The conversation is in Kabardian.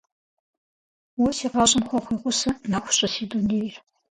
Уэ си гъащӏэм хуэхъуи гъусэ, нэху щӏы си дунейр.